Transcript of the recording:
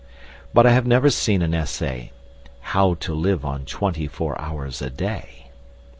But I have never seen an essay, "How to live on twenty four hours a day."